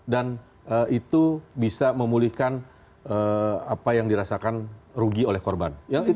dan itu bisa memulihkan apa yang dirasakan rugi oleh korban